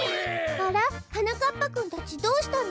あら？はなかっぱくんたちどうしたの？